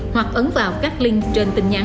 hoặc ấn vào các link trên tin nhắn